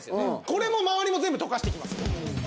これも周りも全部溶かしていきます。